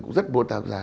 cũng rất vô tác ra